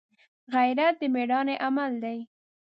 غیرت د مړانې عمل دی